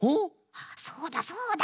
そうだそうだ！